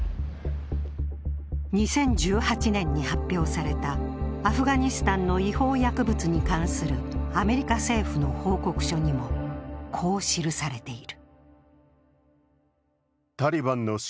２０１８年に発表されたアフガニスタンの違法薬物に関するアメリカ政府の報告書にもこう記されている。